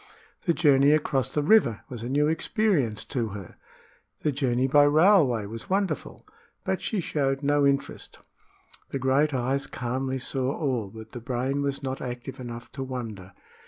The journey across the river was a new experience to her the journey by railway was wonderful; but she showed no interest. The great eyes calmly saw all, but the brain was not active enough to wonder.